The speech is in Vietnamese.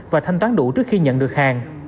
và thanh toán đủ trước khi nhận được hàng